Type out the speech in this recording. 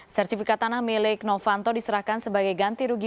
sertifikat tanah milik novanto diserahkan sebagai ganti rugi